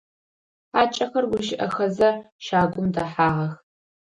Хьакӏэхэр гущыӏэхэзэ щагум дэхьагъэх.